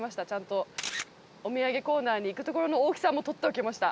お土産コーナーに行くところの大木さんも撮っておきました。